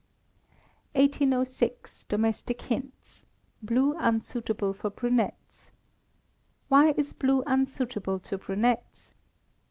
1806. Domestic Hints (Blue Unsuitable for Brunettes). _Why is blue unsuitable to brunettes?